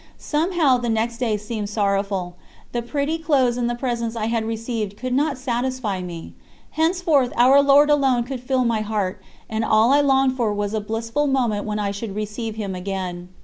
Somehow the next day seemed sorrowful. The pretty clothes and the presents I had received could not satisfy me. Henceforth Our Lord alone could fill my heart, and all I longed for was the blissful moment when I should receive Him again.